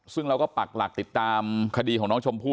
ซึ่งเราก็ปักหลักติดตามคดีของน้องชมพู่